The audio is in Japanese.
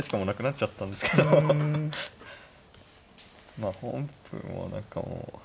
まあ本譜も何かもう。